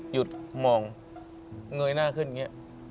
หยุดมองเงยหน้าขึ้นอย่างนี้